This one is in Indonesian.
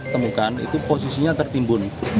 temukan itu posisinya tertimbun